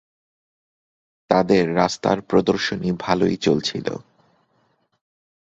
তাঁদের রাস্তার প্রদর্শনী ভালোই চলছিল।